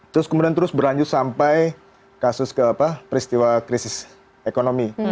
terus kemudian terus berlanjut sampai kasus peristiwa krisis ekonomi